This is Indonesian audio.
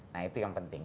nah itu yang penting